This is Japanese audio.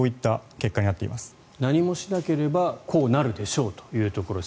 何もしなければこうなるでしょうというところです。